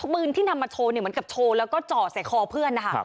ปืนที่นำมาโชว์เนี่ยเหมือนกับโชว์แล้วก็จ่อใส่คอเพื่อนนะคะ